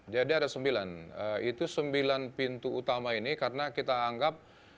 jadi ada sembilan itu sembilan pintu utama ini karena kita anggap